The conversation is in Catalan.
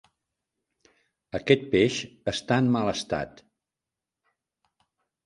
Aquest peix està en mal estat.